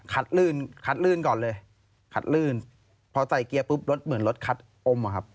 ลื่นคัดลื่นก่อนเลยคัดลื่นพอใส่เกียร์ปุ๊บรถเหมือนรถคัดอมอะครับ